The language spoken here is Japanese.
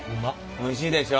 おいしいでしょ？